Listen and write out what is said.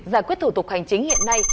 giải quyết thủ tục hành chính hiện nay